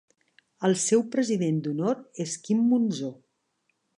El seu president d'honor és Quim Monzó.